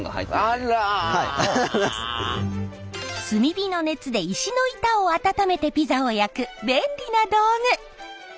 炭火の熱で石の板を温めてピザを焼く便利な道具。